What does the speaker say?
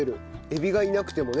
エビがいなくてもね。